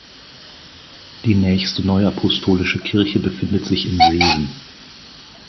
Die nächste Neuapostolische Kirche befindet sich in Seesen.